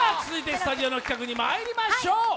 続いてスタジオの企画にまいりましょう。